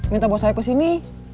minta bos saeb kesini